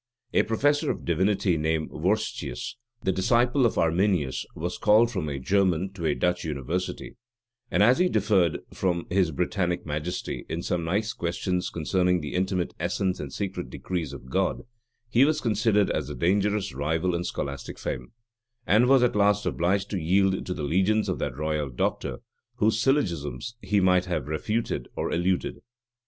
A professor of divinity, named Vorstius, the disciple of Arminius was called from a German to a Dutch university; and as he differed from his Britannic majesty in some nice questions concerning the intimate essence and secret decrees of God, he was considered as a dangerous rival in scholastic fame, and was at last obliged to yield to the legions of that royal doctor, whose syllogisms he might have refuted or eluded.